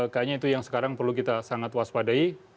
kayaknya itu yang sekarang perlu kita sangat waspadai